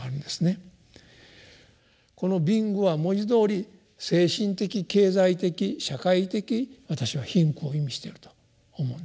この貧苦は文字どおり精神的経済的社会的私は貧苦を意味していると思うんですね。